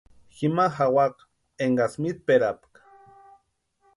Jima jawaka énkasï mitperapka.